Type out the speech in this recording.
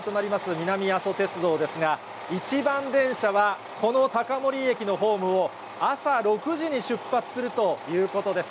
南阿蘇鉄道ですが、一番電車は、この高森駅のホームを朝６時に出発するということです。